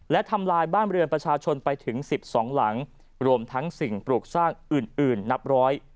และทำลายบ้านบริเวณประชาชนไปถึง๑๒หลังรวมทั้งสิ่งปลูกสร้างอื่นนับร้อย